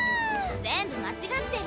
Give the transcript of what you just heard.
全部間違ってる！